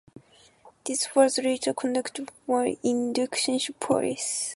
This was later confirmed by Indonesian police.